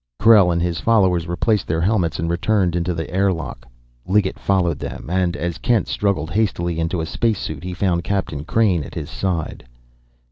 Krell and his followers replaced their helmets and returned into the airlock. Liggett followed them, and, as Kent struggled hastily into a space suit, he found Captain Crain at his side.